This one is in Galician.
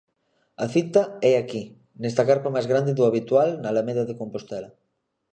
A cita é aquí, nesta carpa máis grande do habitual na Alameda de Compostela.